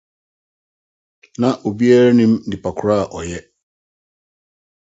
Ná obiara nnim onipa ko a ɔyɛ.